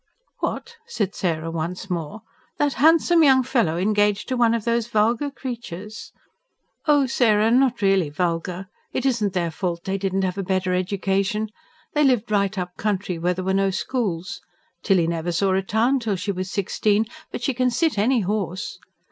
"What?" said Sarah once more. "That handsome young fellow engaged to one of those vulgar creatures?" "Oh, Sarah ... not really vulgar. It isn't their fault they didn't have a better education. They lived right up country, where there were no schools. Tilly never saw a town till she was sixteen; but she can sit any horse.